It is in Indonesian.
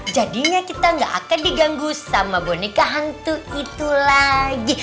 jadinya kita gak akan diganggu sama boneka hantu itu lagi